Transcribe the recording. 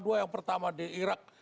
dua yang pertama di irak